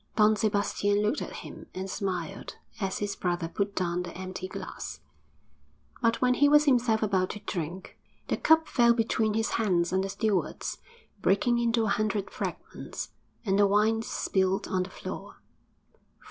Don Sebastian looked at him and smiled as his brother put down the empty glass. But when he was himself about to drink, the cup fell between his hands and the steward's, breaking into a hundred fragments, and the wine spilt on the floor.